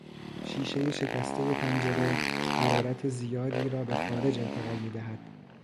شیشهی شکستهی پنجره حرارت زیادی را به خارج انتقال میدهد.